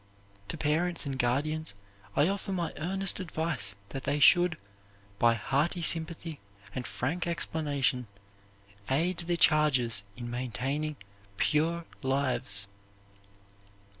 To parents and guardians I offer my earnest advice that they should, by hearty sympathy and frank explanation, aid their charges in maintaining pure lives."